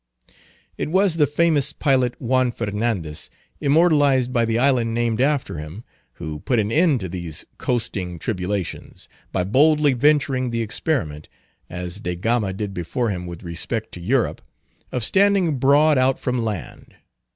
It was the famous pilot, Juan Fernandez, immortalized by the island named after him, who put an end to these coasting tribulations, by boldly venturing the experiment—as De Gama did before him with respect to Europe—of standing broad out from land.